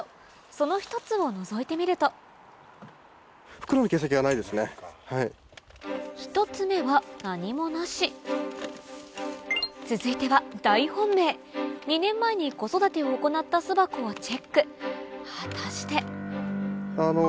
その一つをのぞいてみると続いては大本命２年前に子育てを行った巣箱をチェック果たしてあの。